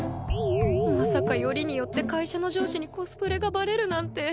まさかよりによって会社の上司にコスプレがバレるなんて